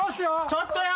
ちょっとよ！